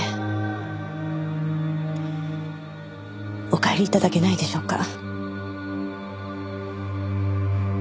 お帰り頂けないでしょうか。